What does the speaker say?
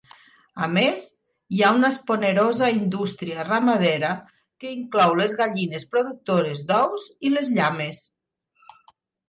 A més, hi ha una esponerosa indústria ramadera que inclou les gallines productores d'ous i les llames.